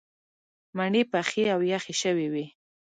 مڼې پخې او یخې شوې وې.